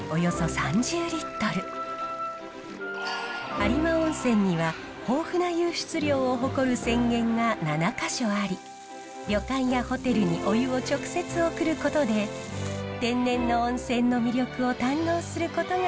有馬温泉には豊富な湧出量を誇る泉源が７か所あり旅館やホテルにお湯を直接送ることで天然の温泉の魅力を堪能することができるのです。